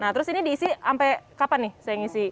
nah terus ini diisi sampai kapan nih saya ngisi